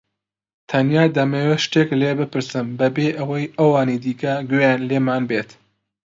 تەنها دەمەوێت شتێکت لێ بپرسم بەبێ ئەوەی ئەوانی دیکە گوێیان لێمان بێت.